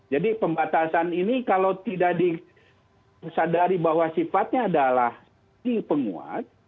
jadi pembatasan ini kalau tidak disadari bahwa sifatnya adalah di penguat